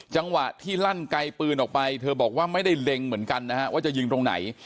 จังหวะที่ลั่นไกลปืนออกไปเธอบอกว่าไม่ได้เล็งเหมือนกันนะฮะว่าจะยิงตรงไหน